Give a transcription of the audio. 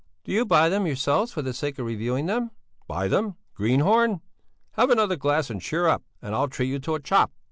"Do you buy them yourselves for the sake of reviewing them?" "Buy them? Greenhorn! Have another glass and cheer up, and I'll treat you to a chop."